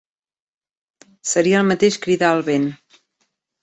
Seria el mateix cridar el vent.